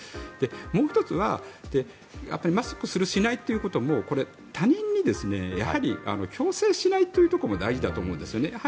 もう１つは、マスクをする、しないということも他人に強制しないということも大事だと思うんですよね。